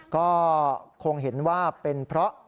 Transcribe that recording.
ก็คงเห็นว่าเป็นเพราะ